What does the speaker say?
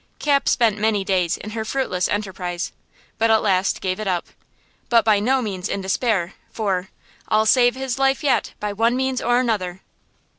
Cap spent many days in her fruitless enterprise, but at last gave it up–but by no means in despair, for– "I'll save his life, yet! by one means or another!